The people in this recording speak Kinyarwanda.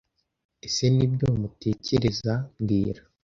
Ese Nibyo mutekereza mbwira